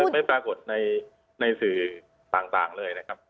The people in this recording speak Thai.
ไม่ปรากฏในสื่อต่างเลยนะครับ